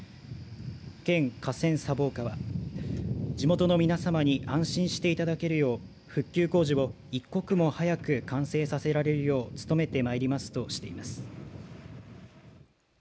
県河川砂防課は地元の皆様に安心していただけるよう復旧工事を一刻も早く完成させられるよう努めてまいりますとしています。